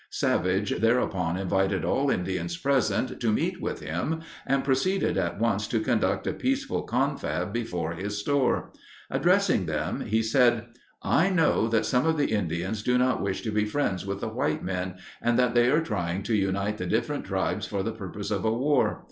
Savage thereupon invited all Indians present to meet with him and proceeded at once to conduct a peaceful confab before his store. Addressing them he said: "I know that some of the Indians do not wish to be friends with the white men and that they are trying to unite the different tribes for the purpose of a war.